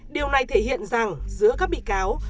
điều này thể hiện rằng giữa các bị cáo